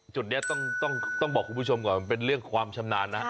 จุดเนี้ยต้องต้องต้องบอกคุณผู้ชมก่อนเป็นเรื่องความชำนาญนะ